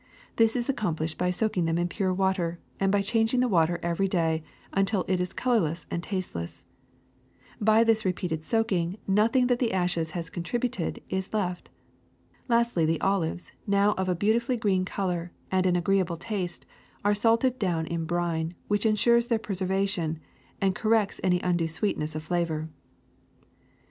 This is accomplished by soaking them in pure water and changing the water every day until it is colorless and tasteless. By this repeated soaking nothing that the ashes had contributed is left. Lastly the olives, now of a beautifully green color and an agreeable taste, are salted down in brine, which insures their preservation and corrects any undue sweetness of flavor.